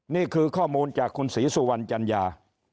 นี่คือข้อมูลจากคุณศรีสุวรรณจัญญา